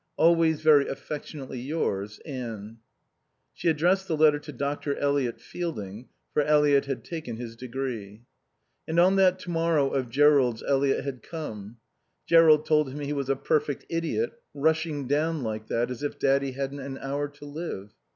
Always very affectionately yours, Anne. She addressed the letter to Dr. Eliot Fielding, for Eliot had taken his degree. And on that to morrow of Jerrold's Eliot had come. Jerrold told him he was a perfect idiot, rushing down like that, as if Daddy hadn't an hour to live.